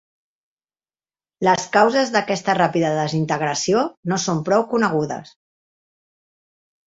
Les causes d'aquesta ràpida desintegració no són prou conegudes.